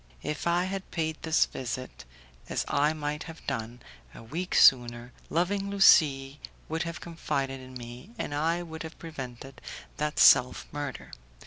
If I had paid this visit, as I might have done, a week sooner, loving Lucie would have confided in me, and I would have prevented that self murder.